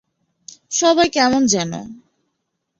সবাই কেমন যেন।